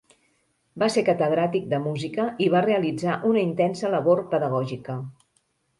Va ser catedràtic de música i va realitzar una intensa labor pedagògica.